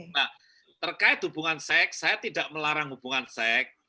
nah terkait hubungan seks saya tidak melarang hubungan seks